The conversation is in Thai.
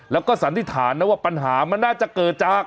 แล้วก็สันนิษฐานนะว่าปัญหามันน่าจะเกิดจาก